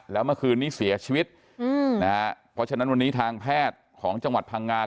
แล้วเมื่อคืนนี้เสียชีวิตอืมนะฮะเพราะฉะนั้นวันนี้ทางแพทย์ของจังหวัดพังงา